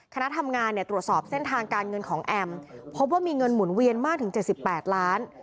คณะทำงานเนี่ยตรวจสอบเส้นทางการเงินของแอมพบว่ามีเงินหมุนเวียนมากถึง๗๘ล้าน